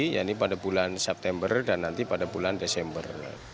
yaitu pada bulan september dan nanti pada bulan desember